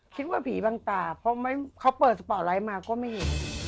คิดว่าผีบางตาเพราะเขาเปิดสปอร์ตไลท์มาก็ไม่เห็น